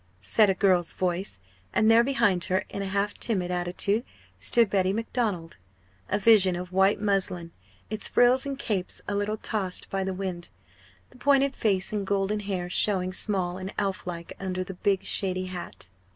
said a girl's voice; and there behind her, in a half timid attitude, stood Betty Macdonald, a vision of white muslin, its frills and capes a little tossed by the wind, the pointed face and golden hair showing small and elf like under the big shady hat.